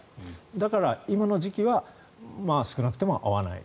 だから、今の時期は少なくとも会わない。